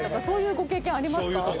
そういうご経験ありますか？